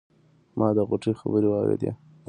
ما د غوټۍ خبرې واورېدې.